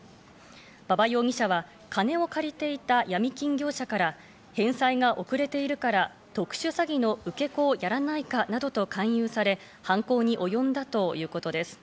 馬場容疑者は金を借りていたヤミ金業者から返済が遅れているから特殊詐欺の受け子をやらないかなどと勧誘され、犯行におよんだということです。